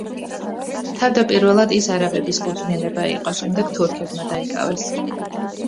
თავდაპირველად ის არაბების კუთვნილება იყო, შემდეგ თურქებმა დაიკავეს.